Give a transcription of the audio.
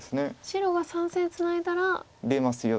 白が３線ツナいだら。出ますよ。